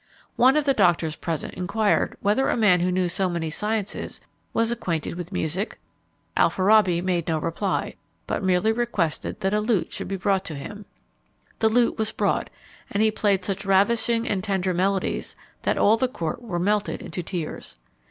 One of the doctors present inquired whether a man who knew so many sciences was acquainted with music? Alfarabi made no reply, but merely requested that a lute should be brought him. The lute was brought; and he played such ravishing and tender melodies, that all the court were melted into tears.